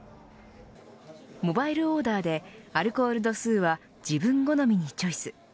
モバイルオーダーでアルコール度数は自分好みにチョイス。